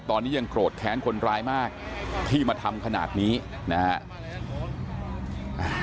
ตอนนี้ยังโกรธแค้นคนร้ายมากที่มาทำขนาดนี้นะฮะ